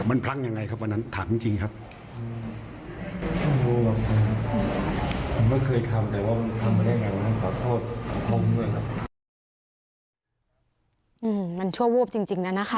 อืมมันชั่วววบจริงนะนะคะ